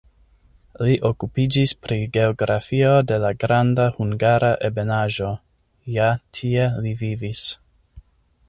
Li okupiĝis pri geografio de la Granda Hungara Ebenaĵo (ja tie li vivis).